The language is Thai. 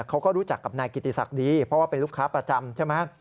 เขาก็รู้จักกับนายกิติศักดิ์ดีเพราะว่าเป็นลูกค้าประจำใช่ไหม